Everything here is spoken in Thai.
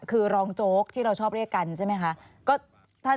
คือรองโจ๊กที่เราชอบเรียกกันใช่ไหมคะ